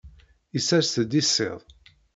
Isers-d isiḍ.